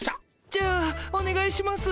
じゃあおねがいします。